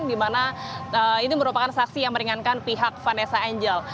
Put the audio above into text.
di mana ini merupakan saksi yang meringankan pihak vanessa angel